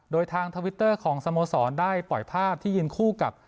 โดยทางทวิตเตอร์ของสโมสรได้ปล่อยภาพที่ยืนคู่กับ